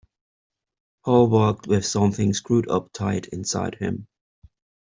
Paul walked with something screwed up tight inside him.